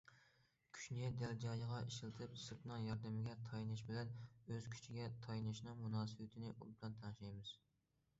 كۈچنى دەل جايىغا ئىشلىتىپ، سىرتنىڭ ياردىمىگە تايىنىش بىلەن ئۆز كۈچىگە تايىنىشنىڭ مۇناسىۋىتىنى ئوبدان تەڭشەيمىز.